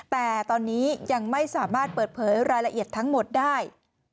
แต่ตอนนี้ยังไม่สามารถเปิดเผยรายละเอียดทั้งหมดได้